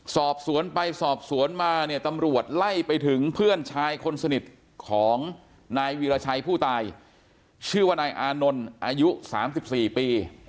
สอบสวนไปสอบสวนมาเนี่ยตำรวจไล่ไปถึงเพื่อนชายคนสนิทของนายวีรชัยผู้ตายชื่อว่านายอานนท์อายุ๓๔ปี